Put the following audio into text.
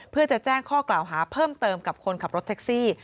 เพื่อจะแจ้งข้อกล่าวหาเพิ่มเติมกับคนขับรถแท็กซี่